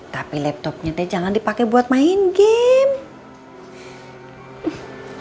tapi laptopnya teh jangan dipake buat main game